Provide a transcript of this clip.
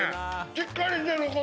しっかりしてる。